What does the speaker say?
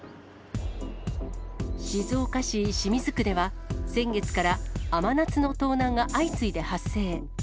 静岡市清水区では、先月から、甘夏の盗難が相次いで発生。